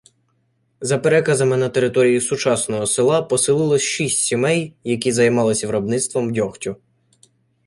За переказами на території сучасного села поселилось шість сімей, які займались виробництвом дьогтю.